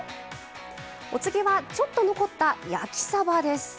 お次はちょっと残った焼きさばです。